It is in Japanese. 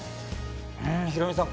ヒロミさん